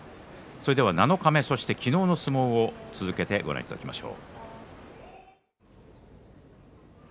七日目そして昨日の相撲を続けてご覧いただきましょう。